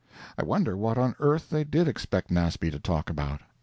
I wonder what on earth they did expect Nasby to talk about?